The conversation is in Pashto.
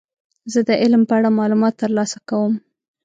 زه د علم په اړه معلومات ترلاسه کوم.